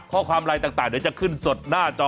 ข้อความไลน์ต่างเดี๋ยวจะขึ้นสดหน้าจอ